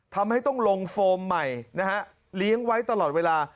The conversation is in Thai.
ทำให้ต้องลงโฟมใหม่นะฮะเลี้ยงไว้ตลอดเวลา